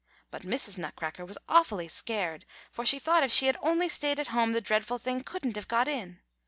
But Mrs. Nutcracker was awfully scared, for she thought if she had only stayed at home the dreadful thing couldn't have got in.